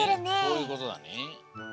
そういうことだね。